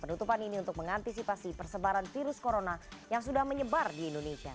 penutupan ini untuk mengantisipasi persebaran virus corona yang sudah menyebar di indonesia